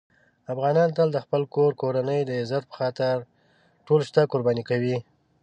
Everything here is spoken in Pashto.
افغانان تل د خپل کور کورنۍ د عزت په خاطر ټول شته قرباني کوي.